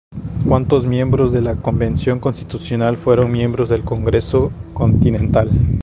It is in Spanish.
¿Cuántos miembros de la Convención Constitucional fueron miembros del Congreso Continental?